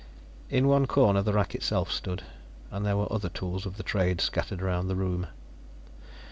In one corner the rack itself stood, and there were other tools of the trade scattered around the room.